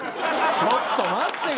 ちょっと待ってくれ。